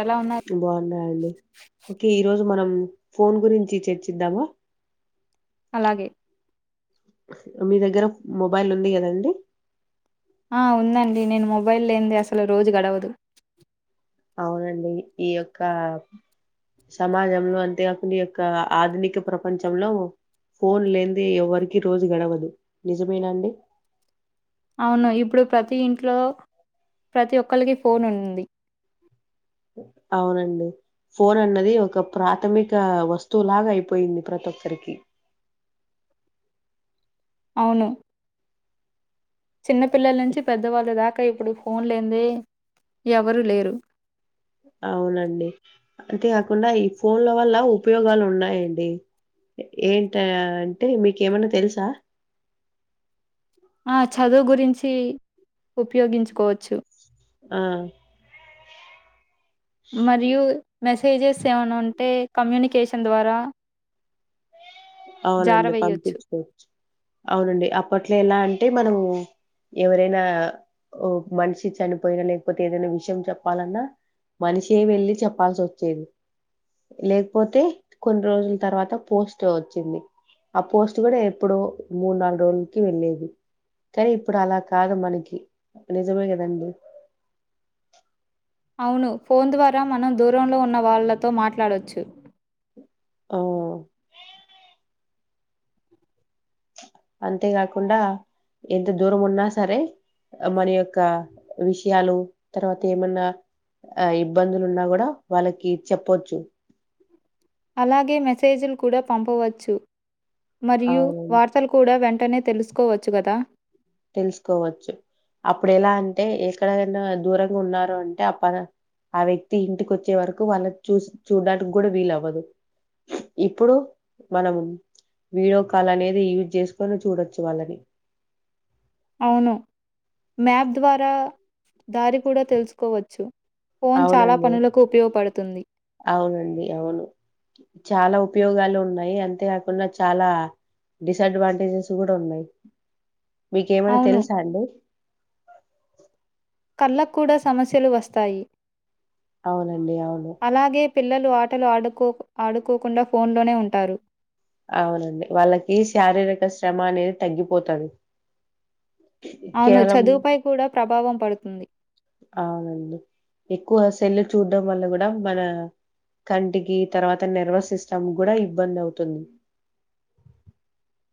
ఎలా ఉన్నారు బాగున్నాయండి ఒకే ఈ రోజు మనం ఫోన్ గురించి చర్చిద్దాము అలాగే మీ దగ్గర మొబైల్ ఉంది కదండి ఆ ఉందండి నేను మొబైల్ లేంది అసలు రోజు గడవదు అవునండి ఈ యొక్క సమాజంలో అంతేకాకున్ని ఈ యొక్క ఆధునిక ప్రపంచంలో ఫోన్ లేంది ఎవ్వరికి రోజు గడవదు నిజమేన అండి అవును ఇప్పుడు ప్రతి ఇంట్లో ప్రతి ఒక్కొలకి ఫోన్ ఉంది అవునండి ఫోన్ అన్నది ఒక ప్రాథమిక వస్తువు లాగ అయిపోయింది ప్రతి ఒక్కరికి అవును చిన్న పిల్లల నుంచి పెద్దవాళ్ళు దాకా ఇకా ఇప్పుడు ఫోన్ లేందె ఎవరు లేరు అవునండి అంతే కాకుండా ఈ ఫోన్ల వల్ల ఉపయోగాలు ఉన్నాయండి ఏంట అంటే మీకేమన్నా తెలుసా ఆ చదువు గురించి ఉపయోగించుకోవచ్చు ఆ మరియు మెసేజెస్ ఏమైనా ఉంటే కమ్యూనికేషన్ ద్వారా అవునండి జారవేయొచ్చు పంపించుకోవచ్చు అవునండి అప్పట్లో ఎలా అంటే మనము ఎవరైనాఓ మనిషి చనిపోయినా లేకపోతే ఏదైనా విషయం చెప్పాలన్నా మనిషే వెళ్ళి చెప్పాల్సి ఒచ్చేది లేకపోతే కొన్ని రోజుల తర్వాత పోస్ట్ వచ్చింది ఆ పోస్ట్ కూడా ఎప్పుడ మూడు నాలుగు రోజులకి వెళ్ళేది కానీ ఇప్పుడు అలా కాదు మనకి నిజమే కదండి [inaudible] అవును ఫోన్ ద్వారా మనం దూరంలో ఉన్న వాళ్లతో మాట్లాడొచ్చు ఆ అంతేకాకుండా ఎంత దూరం ఉన్నా సరే మన యొక్క విషయాలు తర్వాత ఏమన్నా ఆ ఇబ్బందులు ఉన్నా గూడా వాళ్ళకి చెపోచ్చు అలాగే మెసేజీలు కూడా పంపవచ్చు మరియు అవునండి. వార్తలు కూడా వెం వెంటనే తెలుసుకోవచ్చు గదా తెలుసుకోవచ్చు అప్పుడు ఎలా అంటే ఎక్కడేనా దూరంగా ఉన్నారు అంటే అ ప ఆ వ్యక్తి ఇంటికి వచ్చే వరకు వాళ్ళ చూసి చూడడానికి గూడా వీలవ్వదు ఇప్పుడు మనం వీడియో కాల్ అనేది యూజ్ చేసుకొని చూడొచ్చు వాళ్ళని అవును మ్యాప్ ద్వారా దారి కూడా తెలుసుకోవచ్చు ఫోన్ చాలా అవునండి పనులకు ఉపయోగపడుతుంది. అవునండి అవును చాలా ఉపయోగాలు ఉన్నాయి అంతేకాకుండా చాలా డిసడ్వాంటేజెస్ కూడా ఉన్నాయి మీకేమైనా అవును. తెలుసా అండి కళ్ళ కూడా సమస్యలు వస్తాయి అవునండి అవును అలాగే పిల్లలు ఆటలు ఆడుకో ఆడుకోకుండా ఫోన్లోనే ఉంటారు అవునండి వాళ్ళకి శారీరక శ్రమ అనేది తగ్గిపోతది అవును కేవలం చదువుపై కూడా ప్రభావం పడుతుంది అవునండి ఎక్కువ సెల్లు చూడ్డం వల్ల కూడా మన కంటికి తర్వాత నెర్వస్ సిస్టమ్ కూడా ఇబ్బంది అవుతుంది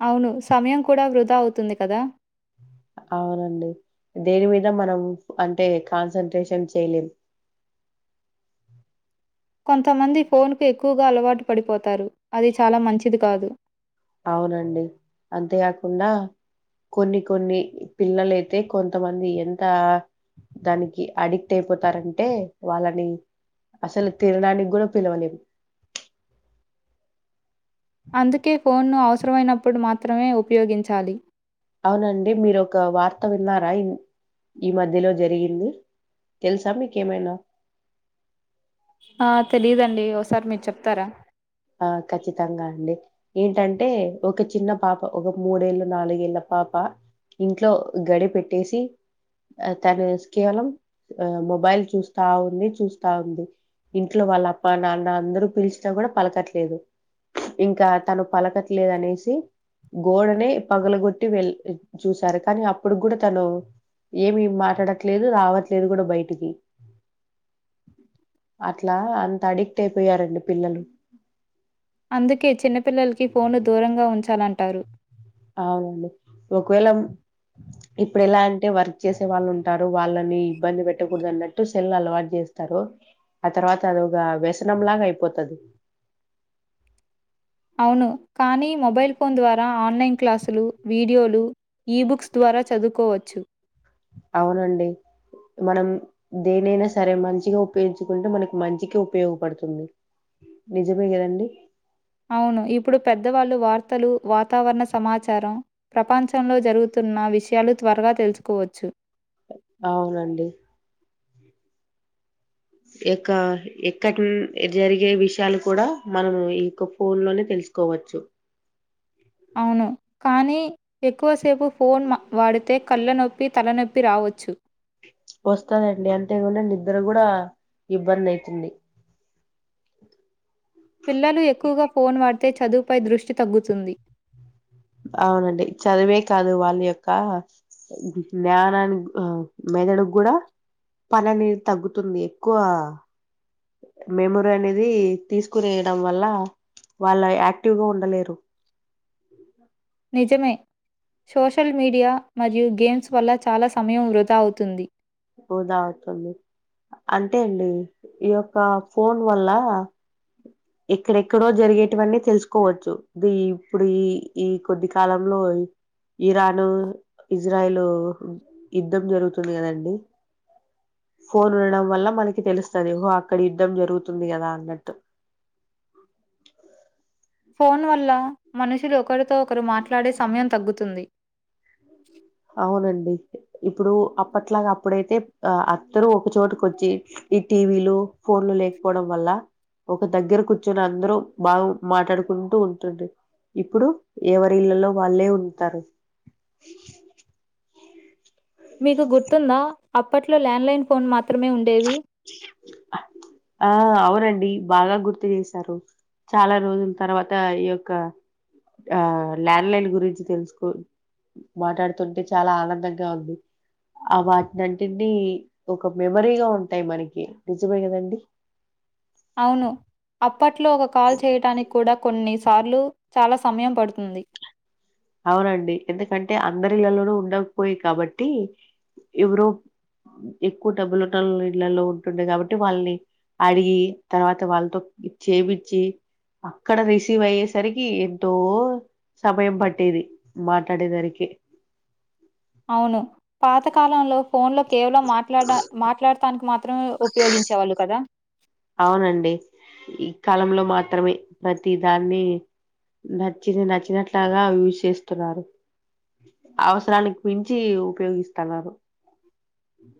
అవును సమయం కూడా వృధా అవుతుంది కదా అవునండి దేని మీద మనం అంటే కాన్సంట్రేషన్ చేయలేం [inaudible] కొంతమంది ఫోన్ కు ఎక్కువగా అలవాటు పడిపోతారు అది చాలా మంచిది కాదు అవునండి అంతేకాకుండా కొన్ని కొన్ని పిల్లలైతే కొంతమంది ఎంతా దానికి అడిక్ట్ అయిపోతారంటే వాళ్ళని అసలు తినడానికి కూడా పిలవలేం [inaudible] అందుకే ఫోన్ను అవసరమైనప్పుడు మాత్రమే ఉపయోగించాలి అవునండి మీరు ఒక వార్త విన్నారా ఈ మధ్యలో జరిగింది తెలుసా మీకేమైనా ఆ తెలిదండి ఓసారి మీరు చెప్తారా ఆ ఖచ్చితంగా అండి ఏంటంటే ఒక చిన్న పాప ఒక మూడేళ్ళు నాలుగేళ్ళ పాప ఇంట్లో గడి పెట్టేసి తను కేవలం ఆ మొబైల్ చూస్తా ఉంది చూస్తా ఉంది ఇంట్లో వాళ్ళ అప్ప నాన్న అందరు పిలిస్తే కూడా పలకట్లేదు ఇంకా తను పలకట్లేదు అనేసి గోడనే పగలగొట్టి వెల్ చూశారు కానీ అప్పుడు కూడా తను ఏమి మాట్లాడట్లేదు రావట్లేదు కూడా బయటికి అట్లా అంత అడిక్ట్ అయిపోయారండి పిల్లలు అందుకే చిన్నపిల్లలకి ఫోను దూరంగా ఉంచాలంటారు అవునండి ఒకవేళ ఇప్పుడు ఎలా అంటే వర్క్ చేసే వాళ్ళు ఉంటారు వాళ్ళని ఇబ్బంది పెట్టకూడదు అన్నట్టు సెల్ అలవాటు చేస్తారు ఆ తర్వాత వోగ వ్యసనం లాగా అయిపోతది అవును కానీ మొబైల్ ఫోన్ ద్వారా ఆన్లైన్ క్లాసులు వీడియోలు ఈబుక్స్ ద్వారా చదువుకోవచ్చు అవునండి మనం దేనైనా సరే మంచిగా ఉపయోగించుకుంటే మనకి మంచికె ఉపయోగపడుతుంది నిజమే కదండి అవును ఇప్పుడు పెద్దవాళ్లు వార్తలు వాతావరణ సమాచారం ప్రపంచంలో జరుగుతు తున్న విషయాలు త్వరగా తెలుసుకోవచ్చు అవునండి యొక్క ఎక్కడి ను జరిగే విషయాలు కూడా మనం ఈ యొక్క ఫోన్ లోనే తెలు సోక్కోవచ్చు అవును కానీ ఎక్కువసేపు ఫోన్ వాడితే కళ్ళ నొప్పి తలనొప్పి రావచ్చు వస్తదండి అంతేగుననిద్దర కూడా ఇబ్బంది అయితుంది పిల్లలు ఎక్కువగా ఫోన్ వాడితే చదువుపై దృష్టి తగ్గుతుంది అవునండి చదివే కాదు వాళ్ళ యొక్క జ్ఞానాని ఆ మెదడుగుడా పని అనేది తగ్గుతుంది ఎక్కువ మెమరీ అనేది తీసుకునేయడం వల్ల వాళ్ళు యాక్టివ్ గా ఉండలేరు నిజమే సోషల్ మీడియా మరియు గేమ్స్ వల్ల చాలా సమయం వృధా అవుతుంది వృధా అవుతుంది అంటే అండి ఈ యొక్క ఫోన్ వల్ల ఎక్కడెక్కడో జరిగేటవన్నీ తెలుసుకోవచ్చు ది ఇప్పుడు ఈ ఈ కొద్ది కాలంలో పోయి ఇరాన్ ఇజ్రాయల్ యుద్ధం జరుగుతుంది కదండి ఫోన్ చూడడం వల్ల మనకి తెలుస్తది వో అక్కడ యుద్ధం జరుగుతది కదా అన్నట్టు ఫోన్ వల్ల మనుషులు ఒకరితో ఒకరు మాట్లాడే సమయం తగ్గుతుంది అవునండి ఇప్పుడు అప్పట్లాగ అప్పుడైతే ఆ అందరు ఒకచోటకు వచ్చి ఈ టీవీలు ఫోన్లు లేకపోవడం వల్ల ఒక దగ్గర కూర్చుని అందరూ బాగు మాట్లాడుకుంటూ ఉంటుంటి ఇప్పుడు ఎవరి ఇళ్లలో వాళ్ళే ఉంటారు మీకు గుర్తుందా అప్పట్లో ల్యాండ్లైన్ ఫోన్ మాత్రమే ఉం ఆ అ నండి బాగా గుర్తు చేశారు చాలా రోజుల తర్వాత ఈ యొక్క ఆ ల్యాండ్ లైన్ గురించి తెలుసుకో మాట్లాడుతుంటే చాలా ఆనందంగా ఉంది ఆ వాటింటిని ఒక మెమరీగా ఉంటుంది టాయి మనకి నిజమే కదండి అవును అప్పట్లో ఒక కాల్ చేయటానికి కూడా కొన్ని సార్లు చాలా సమయం పడుతుంది అవునండి ఎందుకంటే అందరిలలోనూ ఉండకపోయి కాబట్టి ఎవరో ఎక్కువ డబ్బులున్న ఇళ్ళలో ఉంటుండే కాబట్టి వాళ్ళని అడిగి తర్వాత వాళ్ళతో ఇది చేపచ్చి అక్కడ రిసీవ్ అయ్యేసరికి ఎంతో సమయం పట్టి పట్టేది మాట్లాడేదనికి అవును పాతకాలంలో ఫోన్లో కేవలం మాట్లాడటానికి మాత్రం నో ఉపయోగించేవాళ్ళు కదా అవునండి. ఈ కాలంలో మాత్రమే ప్రతి దాన్ని నచ్చిన నచ్చినట్లాగా యూస్ చేస్తున్నారు అవసరానికి మించి ఉపయోగిస్తన్నారు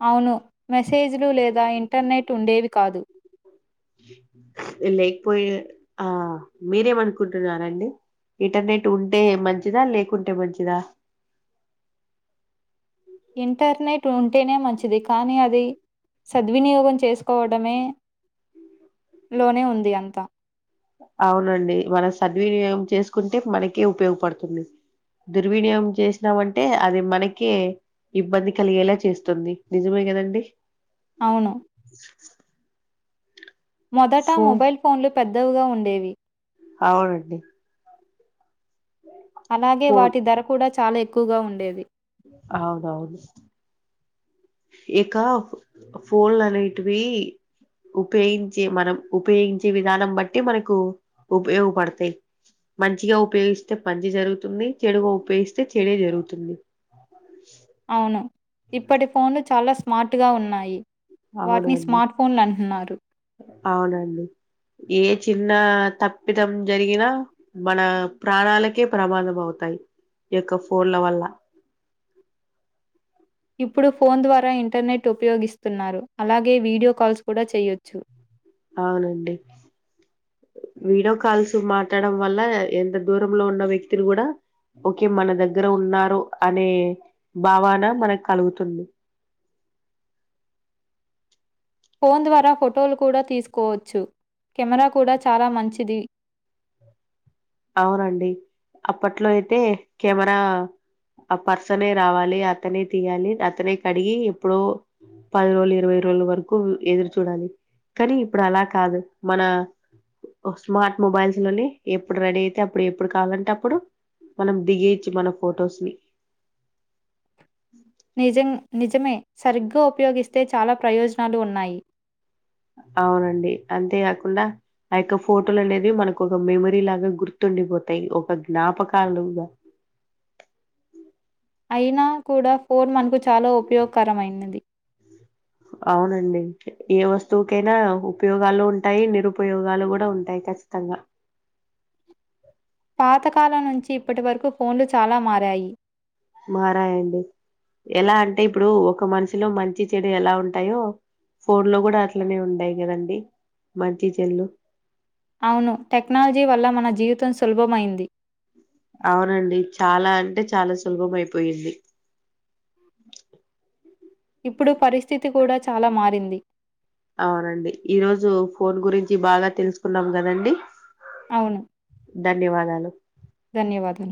అవును మెసేజ్లు లేదా ఇంటర్నెట్ ఉండేవి కాదు లేకపోయ ఆ మీరేమనుకుంటున్నారండి ఇంటర్నెట్ ఉంటే మంచిదా లేకుంటే మంచిదా ఇంటర్నెట్ ఉంటేనే మంచిది కానీ అది సద్వినియోగం చేసుకోవటమే లోనే ఉంది అంతా అవునండి మనం సద్వినియోగం చేసుకుంటే మనకే ఉపయోగపడుతుంది దుర్వినియోగం చేసినామంటే అది మనకి ఇబ్బంది కలిగేలా చేస్తుంది నిజమే కదండి అవును. మొదట ఫోన్ మొబైల్ ఫోన్లు పెద్దవుగా ఉండేవి అవునండి అలాగే వాటి ధర కూడా చాలా ఎక్కువగా ఉండేది అవునువును ఇకా ఫోన్ అనేటివి ఉపయోగించే మనం ఉపయోగించే విధానం బట్టి మనకు ఉపయోగపడతాయి మంచిగా ఉపయోగిస్తే మంచి జరుగుతుంది చెడుగా ఉపయోగిస్తే చెడే జరుగుతుంది అవును ఇప్పటి ఫోన్లు చాలా స్మార్ట్ గా ఉన్నాయి వాటిని అవునండి స్మార్ట్ ఫోన్‌లంటున్నారు. అవునండి ఏ చిన్న తప్పిదం జరిగినా మన ప్రాణాలకే ప్రమాదం అవుతాయి యొక్క ఫోన్ల వల్ల ఇప్పుడు ఫోన్ ద్వారా ఇంటర్నెట్ ఉపయోగిస్తున్నారు అలాగే వీడియో కాల్స్ కూడా చేయ్యొచ్చు అవునండి వీడియో కాల్స్ మాట్లాడం వల్ల ఎంత దూరంలో ఉన్న వ్యక్తులు కూడా ఓకే మన దగ్గర ఉన్నారు అనే భావన మనకు కలుగుతుంది ఫోన్ ద్వారా ఫొటోలు కూడా తీసుకోవచ్చు కెమెరా కూడా చాలా మంచిది అవునండి అప్పట్లో అయితే కెమెరా ఆ పర్సనే రావాలి అతనే తీయాలి అతనే కడిగి ఎప్పుడ పది రోజులు ఇరవై రోజుల వరకు ఎదురు చూడాలి కానీ ఇప్పుడు అలా కాదు మన స్మార్ట్ మొబైల్స్ లోనే ఇప్పుడు రెడీ అయితే అప్పుడు ఎప్పుడు కావాలంటే అప్పుడు మనం దిగేచ్చు మన ఫొటోస్ ని నిజం నిజమే సరిగ్గా ఉపయోగిస్తే చాలా ప్రయోజనాలు ఉన్నాయి అవునండి అంతేకాకుండా ఆ యొక్క ఫోటోలు అనేవి మనకు ఒక మెమరీ లాగా గుర్తు ఉండిపోతాయి ఒక జ్ఞాపకాలుగా అయినా కూడా ఫోన్ మనకు చాలా ఉపయోగకరమైనది అవునండి ఏ వస్తువుకైనా ఉపయోగాలు ఉంటాయి నిరుపయోగాలు కూడా ఉంటాయి ఖచ్చితంగా పాతకాలం నుంచి ఇప్పటి వరకు ఫోన్లు చాలా మారాయి మారాయండి ఎలా అంటే ఇప్పుడు ఒక మనిషిలో మంచి చెడూ ఎలా ఉంటాయో ఫోన్ లో కూడా అట్లనే ఉండాయి కదండి మంచి చెల్లు అవును టెక్నాలజీ వల్ల మన జీవితం సులభమైంది అవునండి చాలా అంటే చాలా సులభం ఐపోయింది ఇప్పుడు పరిస్థితి కూడా చాలా మారింది అవునండి ఈరోజు ఫోన్ గురించి బాగా తెలుసుకున్నాం కదండి అవును ధన్యవాదాలు ధన్యవాదం